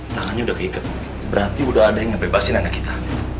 tangannya udah keikat berarti udah ada yang bebasin anak kita